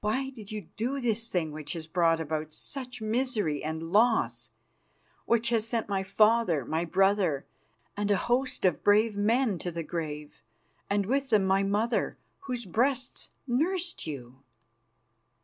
Why did you do this thing which has brought about such misery and loss, which has sent my father, my brother, and a host of brave men to the grave, and with them my mother, whose breasts nursed you?"